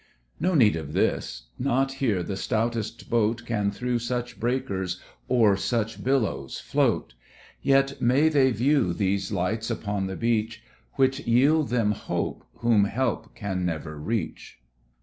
No need of this; not here the stoutest boat Can through such breakers, o'er such billows float, Yet may they view these lights upon the beach, Which yield them hope whom help can never reach.